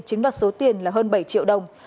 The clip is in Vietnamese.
chiếm đặt số tiền là hơn bảy triệu đồng